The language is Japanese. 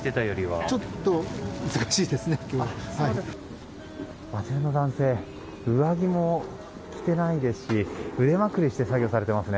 あちらの男性上着も着てないですし腕まくりして作業されていますね。